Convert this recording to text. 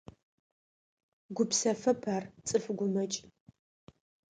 Гупсэфэп ар, цӏыф гумэкӏ.